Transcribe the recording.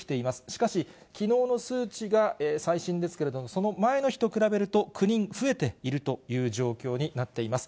しかし、きのうの数値が最新ですけれども、その前の日と比べると９人増えているという状況になっています。